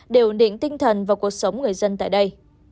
để ổn định tinh thần và cuộc sống người dân tại đây